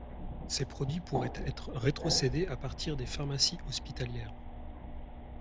Ces produits pourraient être rétrocédés à partir des pharmacies hospitalières.